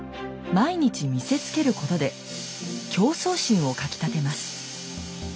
毎日見せつけることで競争心をかきたてます。